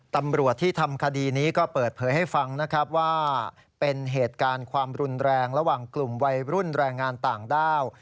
ตำรวจที่ทำคดีนี้ก็เปิดเผยให้ฟังนะครับว่าเป็นเหตุการณ์ความรุนแรงระหว่างกลุ่มวัยรุ่นแรงงานต่างด้าว